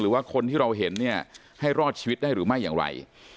หรือว่าคนที่เราเห็นเนี่ยให้รอดชีวิตได้หรือไม่อย่างไร